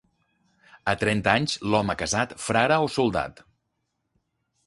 A trenta anys, l'home casat, frare o soldat.